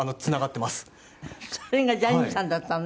それがジャニーさんだったのね？